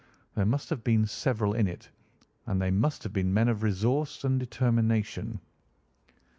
There must have been several in it, and they must have been men of resource and determination.